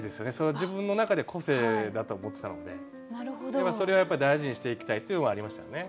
自分の中で個性だと思ってたのでそれはやっぱ大事にしていきたいというのもありましたよね。